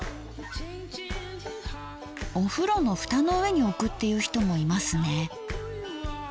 お風呂のフタの上に置くっていう人もいますね。